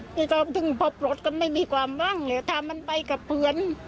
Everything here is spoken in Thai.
ไปตรงพบรถก็ไม่มีความหวังเหลือถ้ามันไปกับเพื่อน